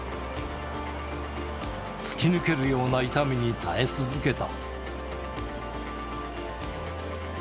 突き抜けるような痛みに耐え続けた。